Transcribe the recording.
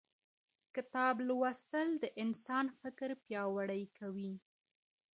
کتاب لوستل د انسان فکر پیاوړی کوي